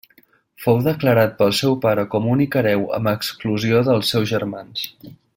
Fou declarat pel seu pare com únic hereu amb exclusió dels seus germans.